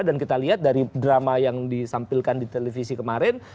dan kita lihat dari drama yang disampilkan di televisi kemarin